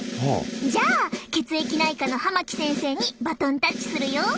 じゃあ血液内科の濱木先生にバトンタッチするよ。